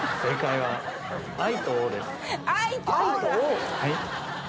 ⁉はい。